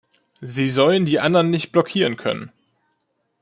Sie sollen die anderen nicht blockieren können.